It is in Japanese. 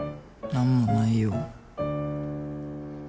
何もないよ。